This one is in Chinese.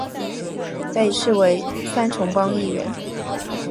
被视为三重帮一员。